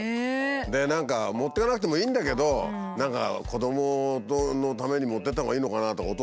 で何か持ってかなくてもいいんだけど何か子どものために持ってったほうがいいのかな？とかお父さん思っちゃうんじゃないの。